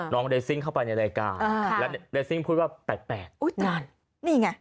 น้องเรซิ้งเข้าไปในรายการแล้วเรซิ้งพูดว่าแปดนี่ไง